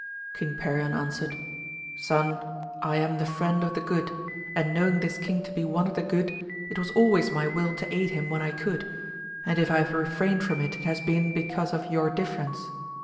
King Perion answered, Son, I am the Mend of the good, and knowing this king to be one of the good, it was always my will to aid him when I could, and if I have refrained from it it has been because of your difference.